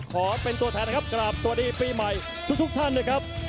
ขอเป็นตัวแทนนะครับกราบสวัสดีปีใหม่ทุกท่านนะครับ